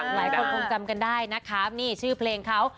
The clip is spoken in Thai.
หลายคนคงจำกันได้นะคะนี่ชื่อเพลงเขา